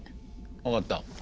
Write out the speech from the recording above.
分かった。